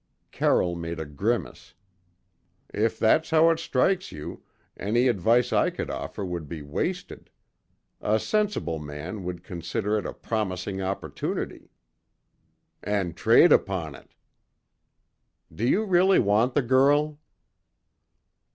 Carroll made a grimace. "If that's how it strikes you, any advice I could offer would be wasted. A sensible man would consider it a promising opportunity." "And trade upon it." "Do you really want the girl?"